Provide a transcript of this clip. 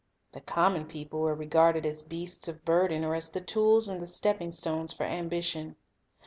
The com mon people were regarded as beasts of burden or as the tools and the stepping stones for ambition.